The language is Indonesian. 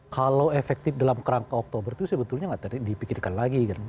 kalau efektif dalam kerangka oktober itu sebetulnya tidak terdiri dipikirkan lagi